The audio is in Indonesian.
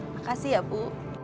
makasih ya bu